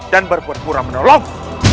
dan berbuat kurang menolong